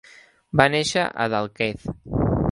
Va néixer a Dalkeith.